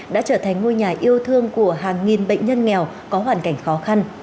đã trở thành ngôi nhà yêu thương của hàng nghìn bệnh nhân nghèo có hoàn cảnh khó khăn